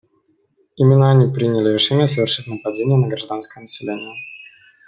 Именно они приняли решение совершить нападения на гражданское население.